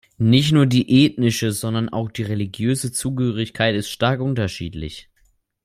Nicht nur die ethnische, sondern auch die religiöse Zugehörigkeit ist stark unterschiedlich.